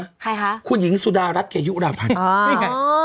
ใครคะคุณหญิงสุดารัสเกยริ๊วราพันธ์อ๋อนี่ไงเสื้อเสีย